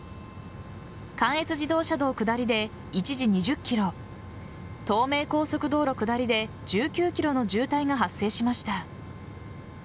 関越自動車道下りで一時２０ｋｍ東名高速道路下りで１９ｋｍの渋滞が発生しました。